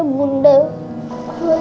aku mau pulih ngerah